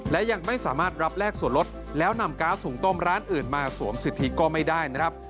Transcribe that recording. และยังไม่สามารถรับแลกส่วนลดแล้วนำก๊าซหุงต้มร้านอื่นมาสวมสิทธิก็ไม่ได้นะครับ